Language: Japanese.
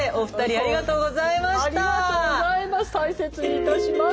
ありがとうございます。